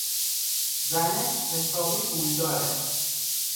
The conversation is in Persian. زنه حسابی پولداره!